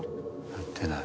鳴ってない。